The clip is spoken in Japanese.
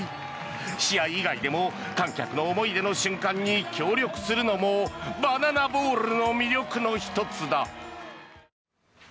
試合以外でも観客の思い出の瞬間に協力するのもバナナボールの魅力の１つだ。